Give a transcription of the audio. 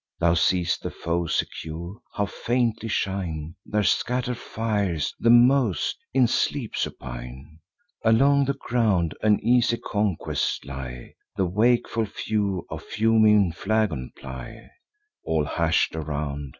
Thou see'st the foe secure; how faintly shine Their scatter'd fires! the most, in sleep supine Along the ground, an easy conquest lie: The wakeful few the fuming flagon ply; All hush'd around.